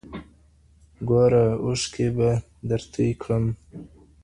ګوره اوښكي به در تـوى كـړم